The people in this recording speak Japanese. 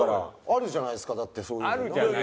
あるじゃないですかだってそういうの。